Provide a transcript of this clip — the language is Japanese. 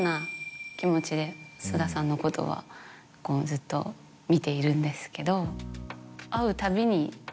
菅田さんのことはずっと見ているんですけど。